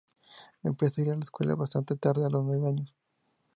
Empezó a ir a la escuela bastante tarde, a los nueve años.